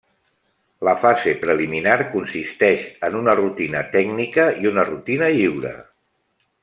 La fase preliminar consisteix en una rutina tècnica i una rutina lliure.